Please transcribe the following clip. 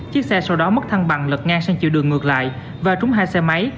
chiếc xe sau đó mất thăng bằng lật ngang sang chiều đường ngược lại và trúng hai xe máy